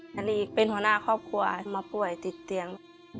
อันนี้อีกเป็นหัวหน้าครอบครัวมาป่วยติดเตียง